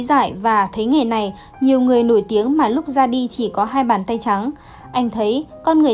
giải và thấy nghề này nhiều người nổi tiếng mà lúc ra đi chỉ có hai bàn tay trắng anh thấy con người